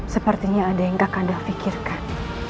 sepertinya ada yang kakanda fikirkan